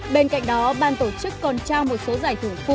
bên cạnh đó ban tổ chức còn trao một số giải thưởng phụ